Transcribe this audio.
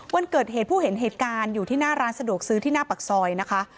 วันเกิดเหตุผู้เห็นเหตุการณ์อยู่ที่หน้าร้านสะดวกซื้อที่หน้าปากซอยนะคะ